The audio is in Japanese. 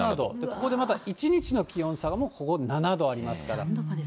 ここでまた、１日の気温差がここ７度ありますから。